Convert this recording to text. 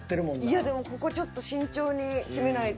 いやでもここちょっと慎重に決めないと。